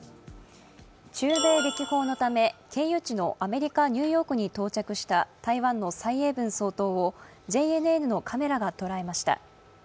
中米歴訪のため、経由地のアメリカ・ニューヨークに到着した台湾の蔡英文総統をＪＮＮのカメラが捉えました。